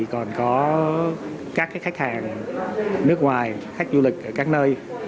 còn có các khách hàng nước ngoài khách du lịch ở các nơi